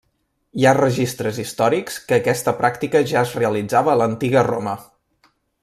Hi ha registres històrics que aquesta pràctica ja es realitzava a l'antiga Roma.